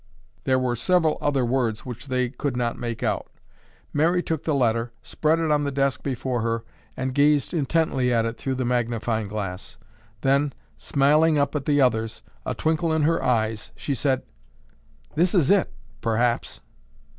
There were several other words which they could not make out. Mary took the letter, spread it on the desk before her and gazed intently at it through the magnifying glass. Then, smiling up at the others, a twinkle in her eyes, she said, "This is it—perhaps.